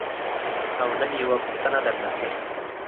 او نن یوه پوښتنه درنه کوم.